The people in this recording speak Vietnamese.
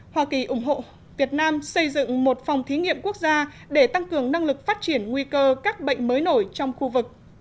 hoa kỳ ủng hộ việt nam xây dựng một phòng thí nghiệm quốc gia để tăng cường năng lực phát triển nguy cơ các bệnh mới nổi trong khu vực